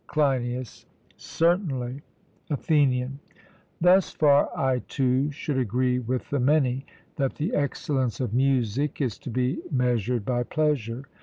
CLEINIAS: Certainly. ATHENIAN: Thus far I too should agree with the many, that the excellence of music is to be measured by pleasure.